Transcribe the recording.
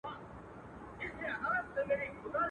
قهر د شینکي اسمان ګوره چي لا څه کیږي.